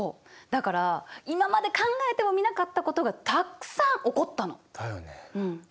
だから今まで考えてもみなかったことがたくさん起こったの。だよね。